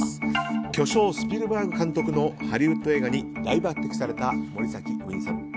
巨匠スピルバーグ監督のハリウッド映画に大抜擢された森崎ウィンさん。